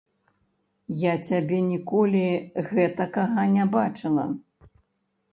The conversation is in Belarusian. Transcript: Я цябе ніколі гэтакага не бачыла.